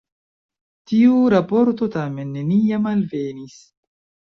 Tiu raporto tamen neniam alvenis.